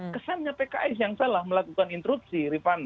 kesannya pks yang salah melakukan interupsi rifana